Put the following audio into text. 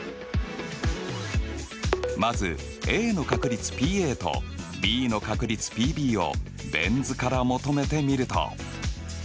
まずＡの確率ＰとＢの確率Ｐをベン図から求めてみると。